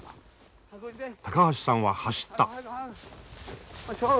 高橋さんは走った。